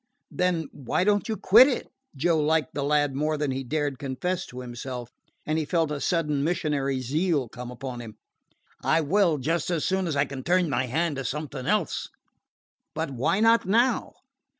"Then why don't you quit it?" Joe liked the lad more than he dared confess to himself, and he felt a sudden missionary zeal come upon him. "I will just as soon as I can turn my hand to something else." "But why not now?"